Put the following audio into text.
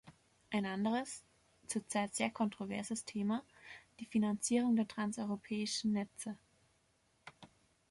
Ein anderes, zur Zeit sehr kontroverses Thema, die Finanzierung der Transeuropäischen Netze.